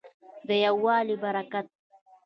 د یووالي په برکت.